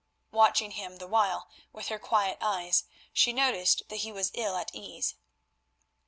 Watching him the while with her quiet eyes, she noticed that he was ill at ease.